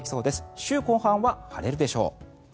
週後半は晴れるでしょう。